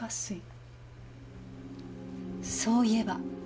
そういえば。